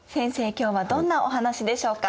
今日はどんなお話でしょうか？